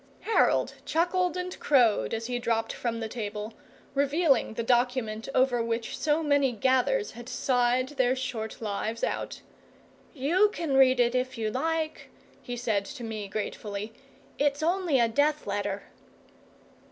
Harold chuckled and crowed as he dropped from the table, revealing the document over which so many gathers had sighed their short lives out. "YOU can read it if you like," he said to me gratefully. "It's only a Death letter."